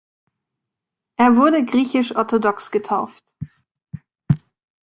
Er wurde griechisch-orthodox getauft.